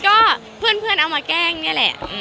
ก็เพื่อนเอามาแกล้งนี่แหละ